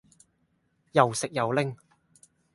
又食又拎